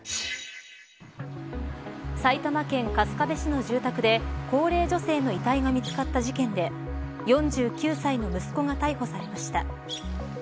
埼玉県春日部市の住宅で高齢女性の遺体が見つかった事件で４９歳の息子が逮捕されました。